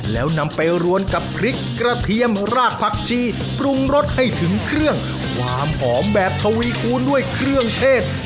แล้วนำไปรวนกับพริกกระเทียมรากผักชีปรุงรสให้ถึงเครื่องความหอมแบบทวีคูณด้วยเครื่องเทศ